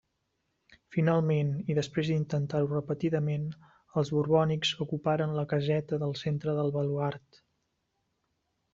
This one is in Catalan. Finalment, i després d'intentar-ho repetidament, els borbònics ocuparen la caseta del centre del baluard.